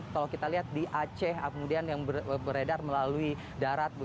kalau kita lihat di aceh kemudian yang beredar melalui darat